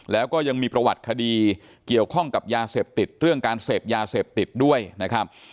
แล้วก็ยังมีประวัติคดีเกี่ยวข้องกับยาเสพติดเรื่องการเสพยาเสพติดด้วยนะครับ